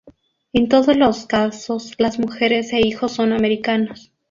En todos los casos, las mujeres e hijos son americanos.